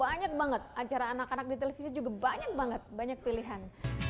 banyak banget acara anak anak di televisi juga banyak banget banyak pilihan